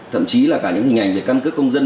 thậm chí là cả những hình ảnh về căn cước công dân